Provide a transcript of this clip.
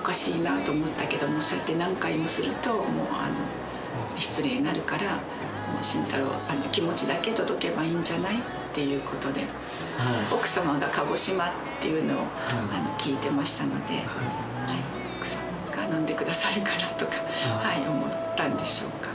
おかしいなと思ったけど、そうやって何回もすると、失礼になるから、もう慎太郎、気持ちだけ届けばいいんじゃないってことで、奥様が鹿児島っていうのを聞いてましたので、奥さんが飲んでくださるかなとか思ったんでしょうか。